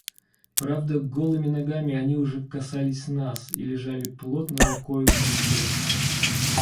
Правда, голыми ногами они уже касались нас и лежали плотно рукою к руке.